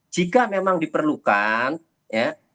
jika memang diperlukan ya